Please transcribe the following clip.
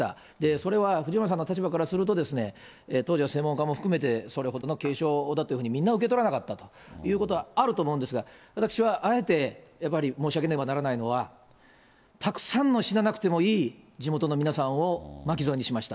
それは藤村さんの立場からすると、当時は専門家も含めて、それほどの警鐘だというふうにみんな受け取らなかったということは、あると思うんですが、私はあえて、やっぱり申し上げねばならないのは、たくさんの死ななくてもいい地元の皆さんを巻き添えにしました。